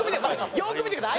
よく見てください。